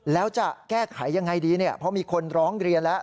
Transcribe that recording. แล้วจะแก้ไขยังไงดีเนี่ยเพราะมีคนร้องเรียนแล้ว